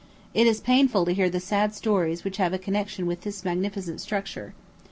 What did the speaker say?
It is painful to hear the sad stories which have a connection with this magnificent structure.